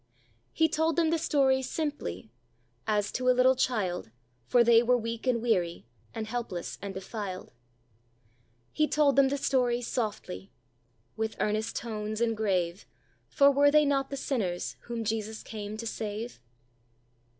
He told them the story simply: 'As to a little child, For they were weak and weary, And helpless and defi'ed.' He told them the story softly: 'With earnest tones and grave, For were they not the sinners Whom Jesus came to save?'"